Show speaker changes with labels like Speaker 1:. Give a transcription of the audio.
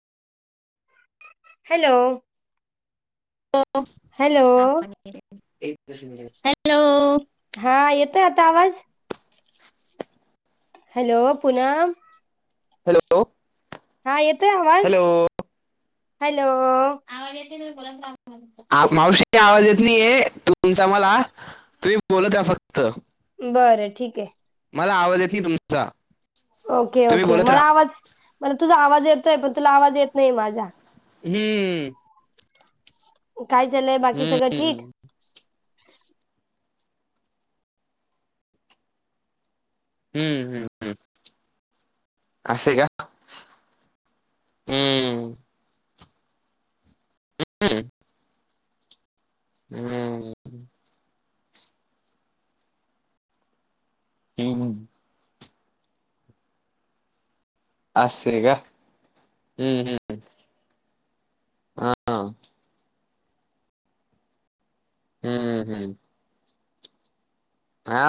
Speaker 1: Hello
Speaker 2: [unintelligible]
Speaker 1: hello
Speaker 2: hello
Speaker 1: हा, येतोय आता आवाज? हॅलो, पुनम
Speaker 2: हॅलो
Speaker 1: हा, येतोय आवाज, हॅलो
Speaker 2: वा येते [unintelligible] मावशी आवाज येत नाही ये तुमचा मला तुम्ही बोलत्या फक्त
Speaker 1: बरं ठीके.
Speaker 2: मला आवाज येत नि [unintelligible] तुमच
Speaker 1: ओके ओके, मला आवाज, मला तुझा आवाज येतोय पण तुला आवाज येत नाही माझा.
Speaker 2: हे
Speaker 1: काय चालय, बाकी सगळं ठीक?
Speaker 2: हम्म हम्म हम्म हम्म असय का? हम्म [unintelligible] हम्म हम् हम अस हे का? हम्म हम्म हा हा हम हम हम